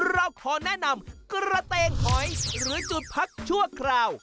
เราขอแนะนำกระเตงหอยหรือจุดพักชั่วคราว